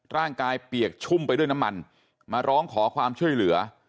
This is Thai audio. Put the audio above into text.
เปียกชุ่มไปด้วยน้ำมันมาร้องขอความช่วยเหลือ